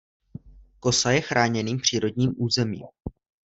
Kosa je chráněným přírodním územím.